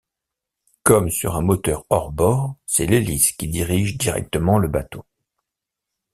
Comme sur un moteur hors-bord, c’est l’hélice qui dirige directement le bateau.